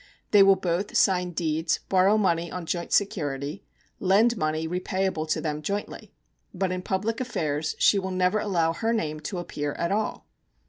They will both sign deeds, borrow money on joint security, lend money repayable to them jointly. But in public affairs she will never allow her name to appear at all.